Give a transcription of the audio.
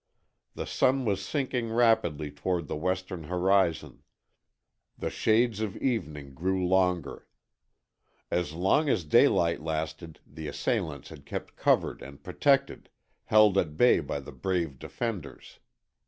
The sun was sinking rapidly toward the western horizon; the shades of evening grew longer. As long as daylight lasted the assailants had kept covered and protected, held at bay by the brave defenders.